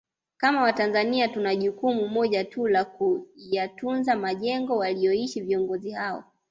Kama Watanzania tuna jukumu moja tu la Kuyatunza majengo waliyoishi viongozi hao